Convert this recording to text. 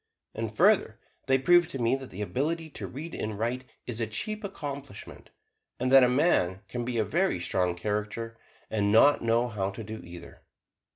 And further, they proved to me that the ability to read and write is a cheap accomplishment, and that a man can be a very strong character, and not know how to do either.